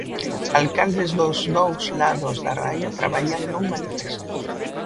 Alcaldes dos dous lados da raia traballan nun manifesto.